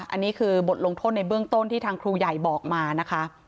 อันนี้คือบทลงโทษในเบื้องต้นที่ทางครูใหญ่บอกมานะคะ